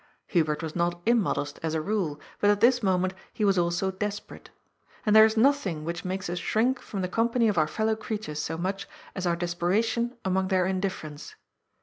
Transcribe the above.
Hubert was not immodest, as a rule, but at this mo ment he was also desperate. And there is nothing which makes us shrink from the company of our fellow creatures BO much as our desperation among their indifference.